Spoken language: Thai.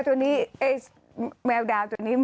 แต่แมวดาวตัวนี้